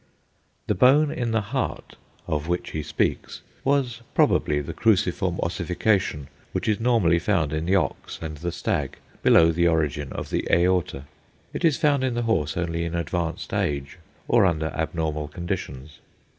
The "bone in the heart" of which he speaks was probably the cruciform ossification which is normally found in the ox and the stag below the origin of the aorta. It is found in the horse only in advanced age, or under abnormal conditions.